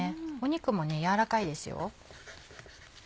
肉も軟らかいですよ。